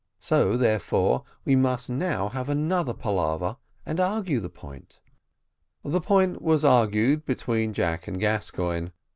So therefore we must now have another palaver and argue the point." The point was argued between Jack and Gascoigne.